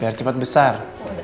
biar cepat besar